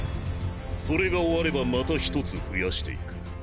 それが終わればまた１つ増やしていく。